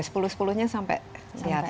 sepuluh sepuluhnya sampai di atas